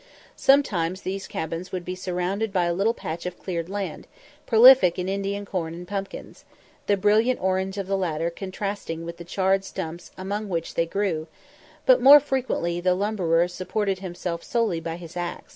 Sometimes these cabins would be surrounded by a little patch of cleared land, prolific in Indian corn and pumpkins; the brilliant orange of the latter contrasting with the charred stumps among which they grew; but more frequently the lumberer supported himself solely by his axe.